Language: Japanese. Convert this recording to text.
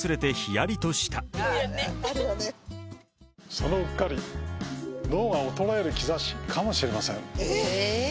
そのうっかり脳が衰える兆しかもしれませんえーっ！？